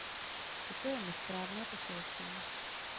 Toto je nesprávné poselství.